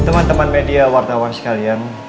teman teman media wartawan sekalian